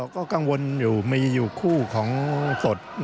ก็กังวลอยู่มีอยู่คู่ของสด